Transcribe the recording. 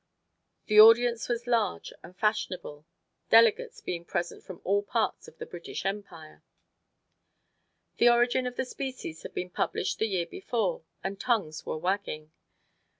The audience was large and fashionable, delegates being present from all parts of the British Empire. "The Origin of Species" had been published the year before, and tongues were wagging.